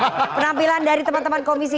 dan penampilan dari teman teman komisi